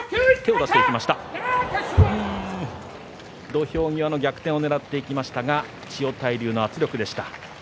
土俵際の逆転をねらっていきましたが千代大龍の圧力でした。